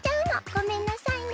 ごめんなさいね。